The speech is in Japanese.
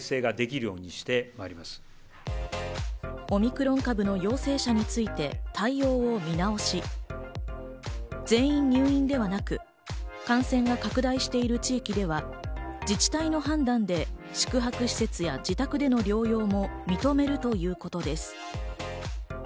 オミクロン株の陽性者について対応を見直し、全員入院ではなく、感染が拡大している地域では自治体の判断で宿泊施設や自宅での療養も認めるということです。